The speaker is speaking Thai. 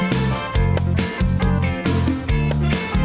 สวัสดีค่ะ